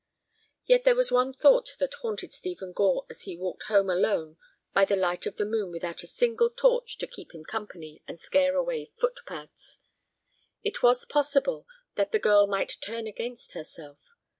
Yet there was one thought that haunted Stephen Gore as he walked home alone by the light of the moon without a single torch to keep him company and scare away footpads: it was possible that the girl might turn against herself.